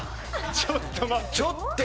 ちょっと待って。